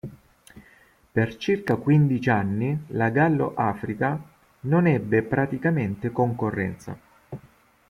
Per circa quindici anni la "Gallo Africa" non ebbe praticamente concorrenza.